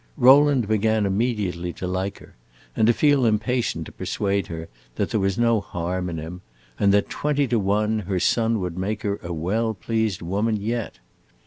Rowland began immediately to like her, and to feel impatient to persuade her that there was no harm in him, and that, twenty to one, her son would make her a well pleased woman yet.